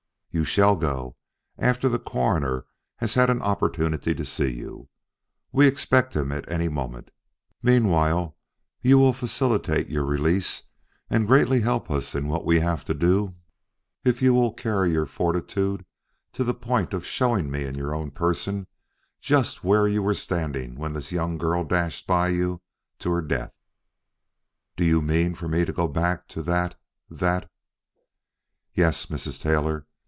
"You shall go, after the Coroner has had an opportunity to see you. We expect him any moment. Meanwhile, you will facilitate your release and greatly help us in what we have to do, if you will carry your fortitude to the point of showing me in your own person just where you were standing when this young girl dashed by you to her death." "Do you mean for me to go back to that that " "Yes, Mrs. Taylor.